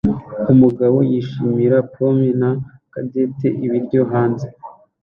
Umugabo yishimira pome na kandeti ibiryo hanze